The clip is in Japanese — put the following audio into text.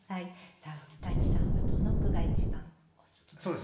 さあ古さんはどの句が一番お好きですか？